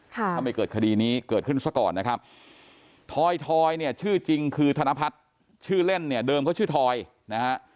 ถ้าไม่เกิดคดีนี้เกิดขึ้นซะก่อนนะครับทอยทอยเนี่ยชื่อจริงคือธนพัฒน์ชื่อเล่นเนี่ยเดิมเขาชื่อทอยนะฮะ